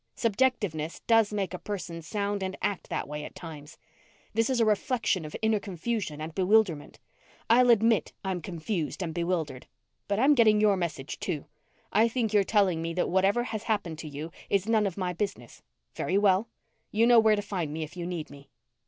Subjectiveness does make a person sound and act that way at times. This is a reflection of inner confusion and bewilderment. I'll admit I'm confused and bewildered. But I'm getting your message, too. I think you're telling me that whatever has happened to you is none of my business. Very well. You know where to find me if you need me."